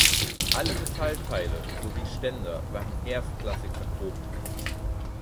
Alle Metallteile sowie Ständer waren erstklassig verchromt.